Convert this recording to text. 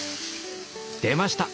出ました！